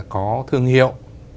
có thương hiệu